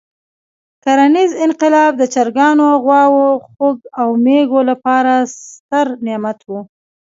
کرنیز انقلاب د چرګانو، غواوو، خوګ او مېږو لپاره ستر نعمت وو.